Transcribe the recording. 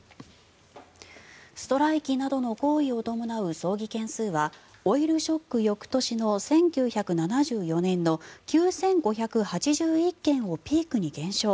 ストライキなどの行為を伴う争議件数はオイルショック翌年の１９７４年の９５８１件をピークに減少。